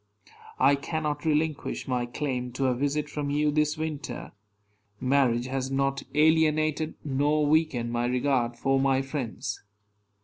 I cannot relinquish my claim to a visit from you this winter. Marriage has not alienated nor weakened my regard for my friends.